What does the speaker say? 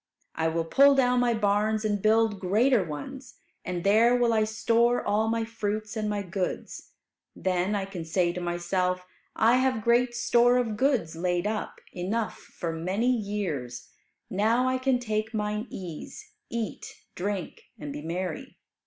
I will pull down my barns and build greater ones, and there will I store all my fruits and my goods. Then I can say to myself, 'I have great store of goods laid up, enough for many years; now I can take mine ease, eat, drink, and be merry.'"